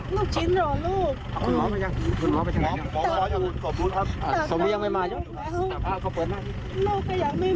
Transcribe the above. แล้วก็ประมาณนึงแล้วไม่เห็นลูกไปกินทุกทีเขาจะหยิวไปขอลูกชิ้น